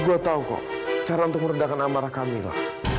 gue tau kok cara untuk meredakan amarah kamila